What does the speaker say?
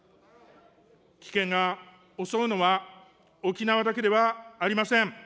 危険が襲うのは沖縄だけではありません。